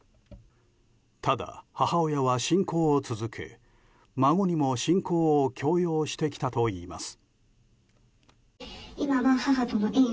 ただ母親は信仰を続け、孫にも信仰を強要してきたといいます。